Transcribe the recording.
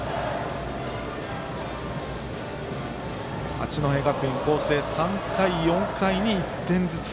八戸学院光星３回、４回に１点ずつ。